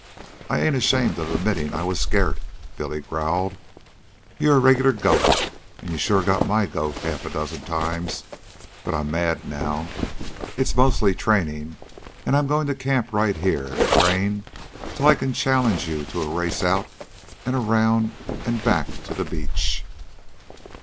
"I ain't ashamed of admittin' I was scairt," Billy growled. "You're a regular goat, an' you sure got my goat half a dozen times. But I'm mad now. It's mostly trainin', an' I'm goin' to camp right here an' train till I can challenge you to a race out an' around an' back to the beach."